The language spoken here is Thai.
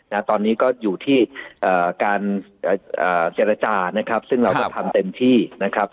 นะตอนนี้ก็อยู่ที่เอ่อการเอ่อเจรจานะครับซึ่งเราก็ทำเต็มที่นะครับ